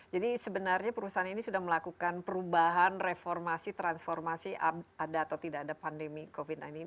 jadi sebenarnya perusahaan ini sudah melakukan perubahan reformasi transformasi ada atau tidak ada pandemi covid sembilan belas ini